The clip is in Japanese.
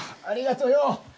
ありがとうよ。